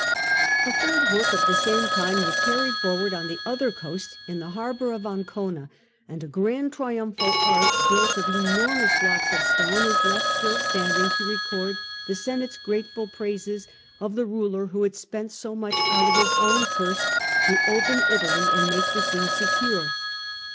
A third work of the same kind was carried forward on the other coast, in the harbour of Ancona ; and a grand triumphal arch, built of enormous blocks of stone, is left still standing to record the senate's grateful praises of before a.d. the ruler who had spent so much out of his *09. own purse to open Italy and make the seas secure.